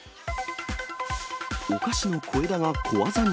お菓子の小枝が小技に。